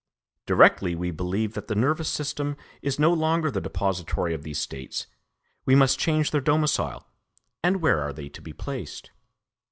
Directly we believe that the nervous system is no longer the depository of these states, we must change their domicile; and where are they to be placed?